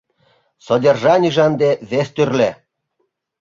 Содержанийже ынде вес тӱрлӧ.